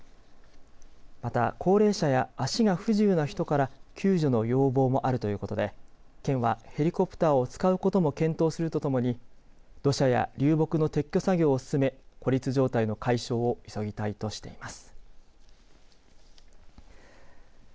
また高齢者や足が不自由な人から救助の要望もあるということで県はヘリコプターを使うことも検討するとともに土砂や流木の撤去作業を進め孤立状態の解消を急ぎたいとしています。